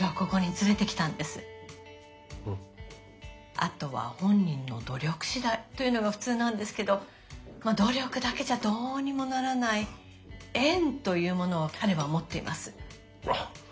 あとは本人の努力しだいというのが普通なんですけどまあ努力だけじゃどうにもならない縁というものを彼は持っています。